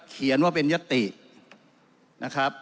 เขียนว่าเป็นยตินะครับ